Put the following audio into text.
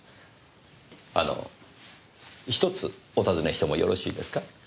あの１つお尋ねしてもよろしいですか？